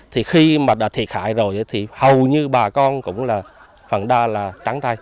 thì khi mà đã thiệt hại rồi thì hầu như bà con cũng là phần đa là trắng tay